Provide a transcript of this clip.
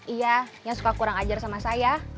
iya yang suka kurang ajar sama saya